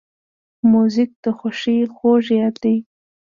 موزیک د خوښۍ خوږ یاد دی.